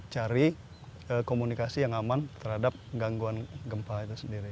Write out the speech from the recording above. cari komunikasi yang aman terhadap gangguan gempa itu sendiri